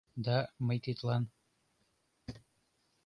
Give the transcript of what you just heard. — Да мый тидлан...